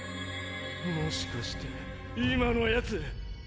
もしかして今の奴！